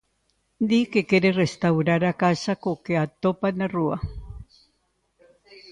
Di que quere restaurar a casa co que atopa na rúa.